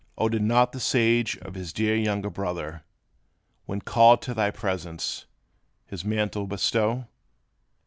O did not the Sage on his dear younger Brother, When called to thy presence, his mantle bestow?